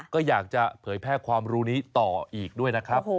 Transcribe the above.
ก็อยากจะเผยแพร่ความรู้นี้ต่ออีกด้วยนะครับ